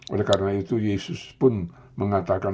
oleh karena itu yesus pun mengatakan